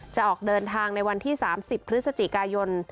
จะออกเดินทางในวันที่๓๐พฤศจิกายน